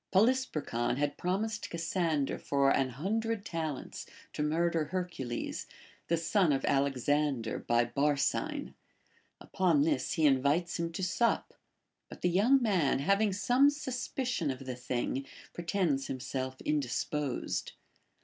Polysperchon had prom ised Cassander for an hundred talents to murder Her cules, the son of Alexander by Barsine. Upon this he invites him to sup ; but the young man, having some suspicion of the thing, pretends himself indisposed.